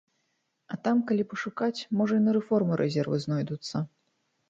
А там, калі пашукаць, можа і на рэформы рэзервы знойдуцца.